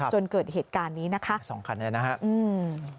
จนเกิดเหตุการณ์นี้นะคะสองคันนี้นะฮะอืม